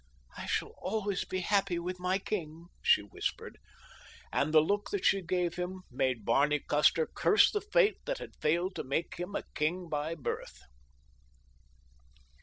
"I shall always be happy with my king," she whispered, and the look that she gave him made Barney Custer curse the fate that had failed to make him a king by birth.